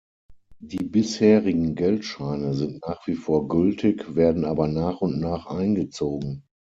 Die bisherigen Geldscheine sind nach wie vor gültig, werden aber nach und nach eingezogen.